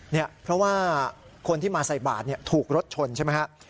เนี่ยเพราะว่าคนที่มาใส่บาดเนี่ยถูกรถชนใช่ไหมฮะ